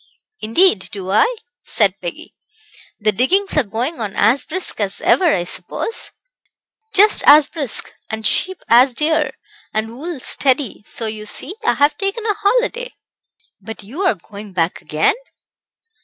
"Indeed do I," said Peggy; "the diggings are going on as brisk as ever, I suppose?" "Just as brisk, and sheep as dear, and wool steady; so, you see, I've taken a holiday." "But you're going back again?"